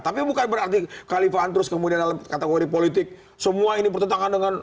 tapi bukan berarti khalifaan terus kemudian dalam kategori politik semua ini bertentangan dengan